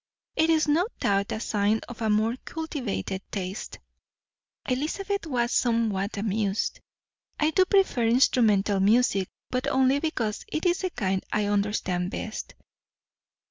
It is no doubt a sign of a more cultivated taste." Elizabeth was somewhat amused. "I do prefer instrumental music, but only because it is the kind I understand best."